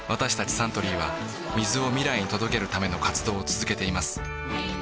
サントリーは水を未来に届けるための活動を続けています